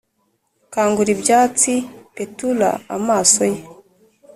kangura ibyatsi, petulant-amaso ye